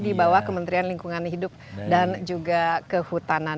di bawah kementerian lingkungan hidup dan juga kehutanan